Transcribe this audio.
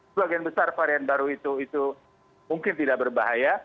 sebagian besar varian baru itu mungkin tidak berbahaya